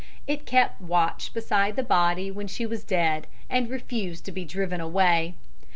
It kept watch beside the body when she was dead, and refused to be driven away.